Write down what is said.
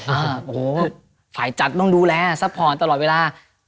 โอ้โหฝ่ายจัดต้องดูแลซัพพอร์ตตลอดเวลา